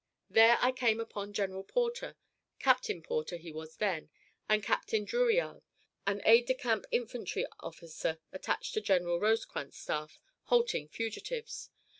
There I came upon General Porter Captain Porter he was then and Captain Drouillard, an aide de camp infantry officer attached to General Rosecrans's staff, halting fugitives.